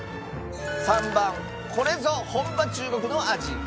３番これぞ本場中国の味！